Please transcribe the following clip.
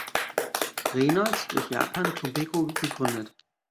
Reynolds durch Japan Tobacco gegründet.